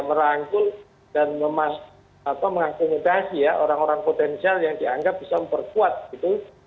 merangkul dan mengakomodasi ya orang orang potensial yang dianggap bisa memperkuat gitu